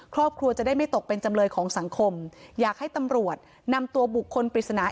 ครอบครัวจะได้ไม่ตกเป็นจำเลยของสังคมอยากให้ตำรวจนำตัวบุคคลปริศนา